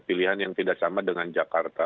pilihan yang tidak sama dengan jakarta